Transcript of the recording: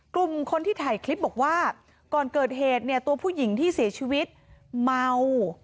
กลุ่มคนที่ถ่ายคลิปบอกว่าก่อนเกิดเหตุเนี่ยตัวผู้หญิงที่เสียชีวิตเมา